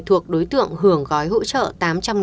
thuộc đối tượng hưởng gói hỗ trợ